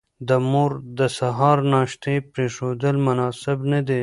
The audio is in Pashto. د مور د سهار ناشتې پرېښودل مناسب نه دي.